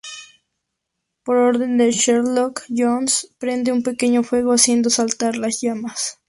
Por orden de Sherlock, John prende un pequeño fuego, haciendo saltar las alarmas.